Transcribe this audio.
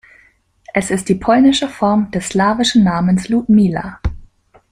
Es ist die polnische Form des slawischen Namens Ludmila.